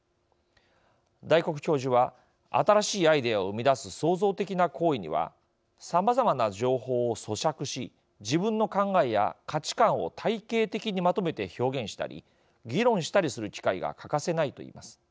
大黒教授は新しいアイデアを生み出す創造的な行為にはさまざまな情報をそしゃくし自分の考えや価値観を体系的にまとめて表現したり議論したりする機会が欠かせないと言います。